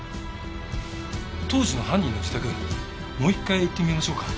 当時の犯人の自宅もう一回行ってみましょうか。